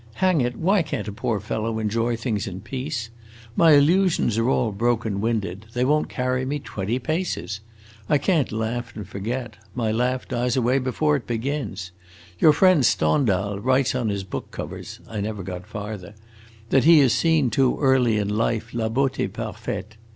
Hang it, why can't a poor fellow enjoy things in peace? My illusions are all broken winded; they won't carry me twenty paces! I can't laugh and forget; my laugh dies away before it begins. Your friend Stendhal writes on his book covers (I never got farther) that he has seen too early in life la beaute parfaite.